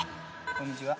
こんにちは。